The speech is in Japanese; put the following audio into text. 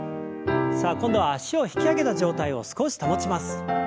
さあ今度は脚を引き上げた状態を少し保ちます。